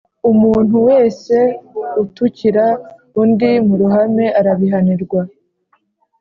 Umuntu wese utukira undi mu ruhame arabihanirwa